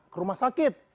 ke rumah sakit